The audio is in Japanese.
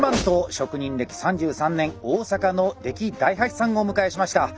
職人歴３３年大阪の出耒大八さんをお迎えしました。